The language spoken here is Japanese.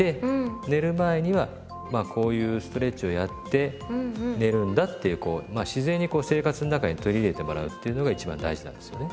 寝る前にはこういうストレッチをやって寝るんだっていう自然にこう生活の中に取り入れてもらうっていうのが一番大事なんですよね。